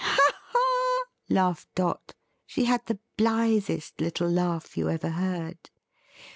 "Ha ha!" laughed Dot. She had the blithest little laugh you ever heard.